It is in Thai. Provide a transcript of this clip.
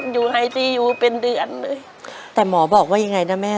ไอซียูเป็นเดือนเลยแต่หมอบอกว่ายังไงนะแม่